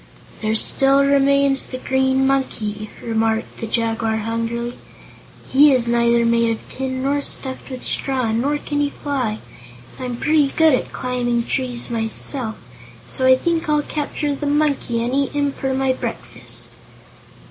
"There still remains the Green Monkey," remarked the Jaguar hungrily. "He is neither made of tin nor stuffed with straw, nor can he fly. I'm pretty good at climbing trees, myself, so I think I'll capture the Monkey and eat him for my breakfast."